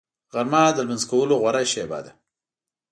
غرمه د لمونځ کولو غوره شېبه ده